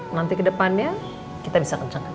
nanti ke depannya kita bisa kencangkan lagi